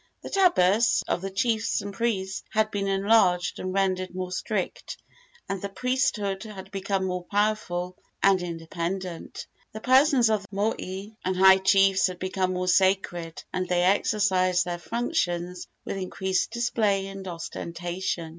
The tabus of the chiefs and priests had been enlarged and rendered more strict, and the priesthood had become more powerful and independent. The persons of the mois and high chiefs had become more sacred, and they exercised their functions with increased display and ostentation.